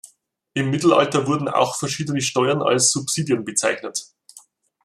Im Mittelalter wurden auch verschiedene Steuern als Subsidien bezeichnet.